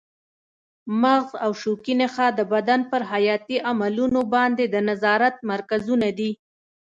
مغز او شوکي نخاع د بدن پر حیاتي عملونو باندې د نظارت مرکزونه دي.